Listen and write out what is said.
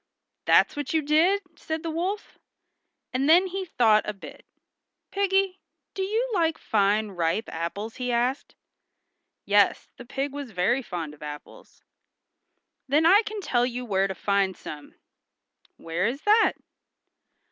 "That's what you did!" said the wolf. And then he thought a bit. "Piggy, do you like fine ripe apples?" he asked. Yes, the pig was very fond of apples. "Then I can tell you where to find some." "Where is that?"